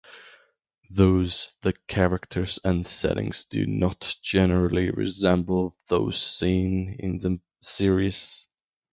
Thus the characters and settings do not generally resemble those seen in the series.